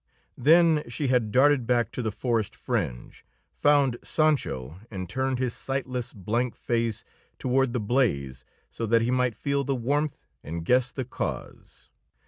Then she had darted back to the forest fringe, found Sancho, and turned his sightless, blank face toward the blaze so that he might feel the warmth and guess the cause.